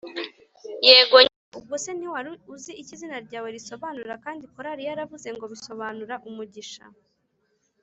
Yego nyine Ubwo se ntiwari uzi icyo izina ryawe risobanura, kandi karoli yaravuze ngo bisobanura umugisha